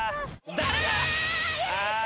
誰だ！